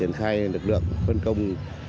triển khai lực lượng phân công